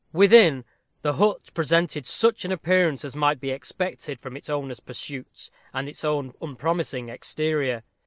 Within, the hut presented such an appearance as might be expected, from its owner's pursuits and its own unpromising exterior.